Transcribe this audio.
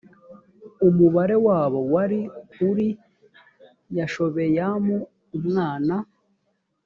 umubare wabo wari uri yashobeyamu umwana